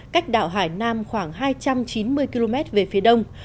cách đảo hải nam khoảng hai trăm chín mươi km về phía đông